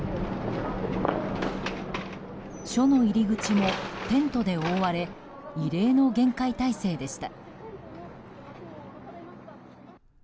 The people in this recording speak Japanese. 署の入り口もテントで覆われ異例の厳戒態勢でした。